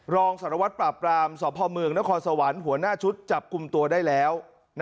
รองสารวัตรปราบปรามสพเมืองนครสวรรค์หัวหน้าชุดจับกลุ่มตัวได้แล้ว